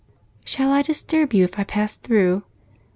"Shall I disturb you if I pass through?"